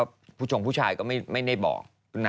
เรื่องราวก็เป็นอย่างนี้แหละ